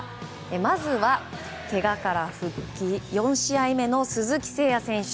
まずは、けがから復帰４試合目の鈴木誠也選手。